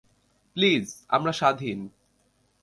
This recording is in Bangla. প্লীজ, আমরা স্বাধীন।